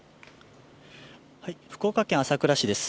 福岡県朝倉市です。